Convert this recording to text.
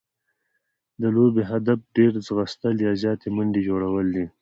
د لوبي هدف ډېر ځغستل يا زیاتي منډي جوړول دي.